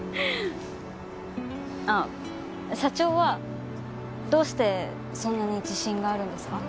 あっ社長はどうしてそんなに自信があるんですか？